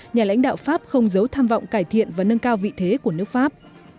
nhà lãnh đạo pháp không giấu tham vọng cải thiện và nâng cao vị thế của nước pháp